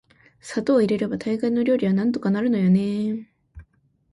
砂糖を入れれば大概の料理はなんとかなるのよね～